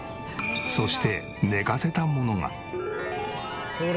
そして寝かせたものが。